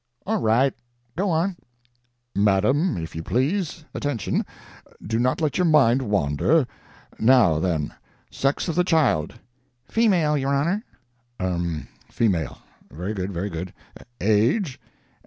"All right; go on." "'Madam, if you please attention do not let your mind wander. Now, then sex of the child?' "'Female, your Honor.' "'Um female. Very good, very good. Age?'